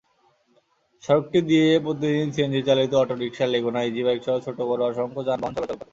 সড়কটি দিয়ে প্রতিদিন সিএনজিচালিত অটোরিকশা, লেগুনা, ইজিবাইকসহ ছোট-বড় অসংখ্য যানবাহন চলাচল করে।